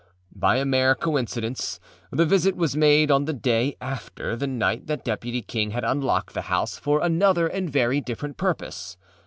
By a mere coincidence, the visit was made on the day after the night that Deputy King had unlocked the house for another and very different purpose.